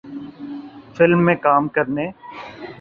film میں کام کرنے